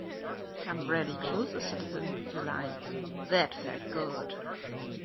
Gambrelli closes the film with the line: That felt good!